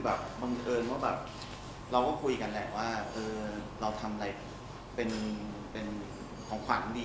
แนะนำนั้นนี้คือเราก็คุยกันว่าเราทำอะไรเป็นของขวัญดี